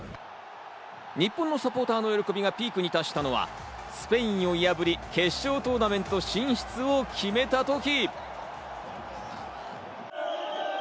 日本のサポーターの喜びがピークに達したのはスペインを破り、決勝トーナメント進出を決めたとき。